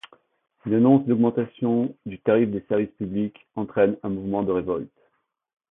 Une annonce d'augmentation du tarif des services publics entraîne un mouvement de révolte.